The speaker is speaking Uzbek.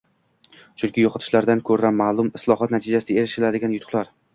Chunki yo‘qotishlardan ko‘ra ma’lum islohot natijasida erishiladigan yutuqlar